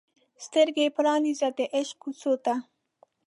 سترګې دې پرانیزه د عشق کوڅو ته